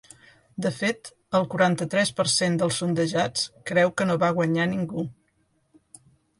De fet, el quaranta-tres per cent dels sondejats creu que no va guanyar ningú.